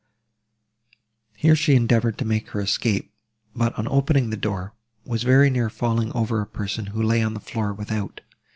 Here she endeavoured to make her escape, but, on opening the door, was very near falling over a person, who lay on the floor without.